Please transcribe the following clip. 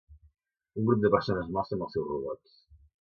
Un grup de persones mostren els seus robots.